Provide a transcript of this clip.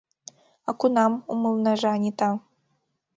— А кунам? — умылынеже Анита.